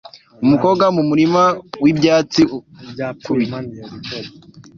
Umukobwa mumurima wibyatsi akubita volley